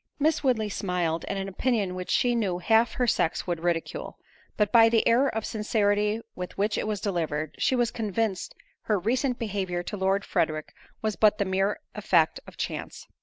Miss Woodley smiled at an opinion which she knew half her sex would ridicule; but by the air of sincerity with which it was delivered, she was convinced her recent behaviour to Lord Frederick was but the mere effect of chance.